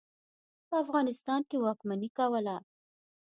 په افغانستان واکمني کوله.